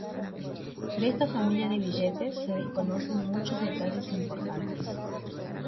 De esta familia de billetes se desconocen muchos detalles importantes.